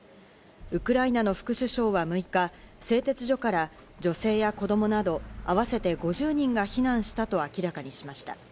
ウクライナの副首相は６日、製鉄所から女性や子供など合わせて５０人が避難したと明らかにしました。